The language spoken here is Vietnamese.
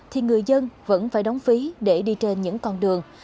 thì người dân vẫn phải đóng phí để đi trên những con đường